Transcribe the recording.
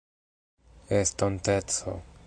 estonteco